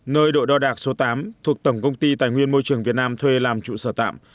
nơi đội đo đạc số tám thuộc tổng công ty tài nguyên môi trường việt nam thuê làm trụ sở tạm